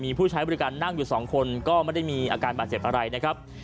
มีผู้ใช้บริการนั่งอยู่สองคนก็ไม่ได้มีอาการบาดเจ็บอะไรนะครับ